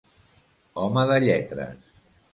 Home de lletres.